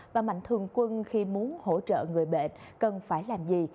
và mạnh thường quân khi muốn hỗ trợ người bệnh cần phải làm gì